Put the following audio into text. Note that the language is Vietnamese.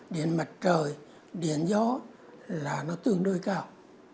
điện mặt trời điện gió là nó tương đối cao